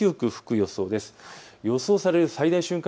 予想される最大瞬間